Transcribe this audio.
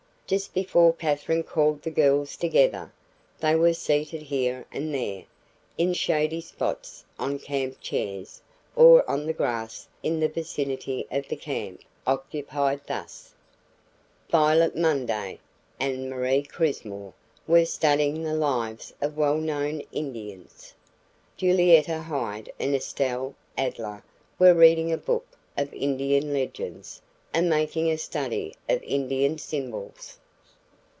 Just before Katherine called the girls together, they were seated here and there in shaded spots on camp chairs or on the grass in the vicinity of the camp, occupied thus: Violet Munday and Marie Crismore were studying the lives of well known Indians. Julietta Hyde and Estelle Adler were reading a book of Indian legends and making a study of Indian symbols.